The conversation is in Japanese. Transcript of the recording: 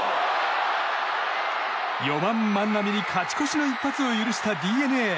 ４番、万波に勝ち越しの一発を許したＤｅＮＡ。